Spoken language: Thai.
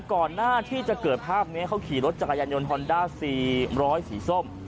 ก่อนหน้าที่จะเกิดภาพนี้เขาขี่รถจักรยานยนต์ฮอนด้า๔๐๐สีส้ม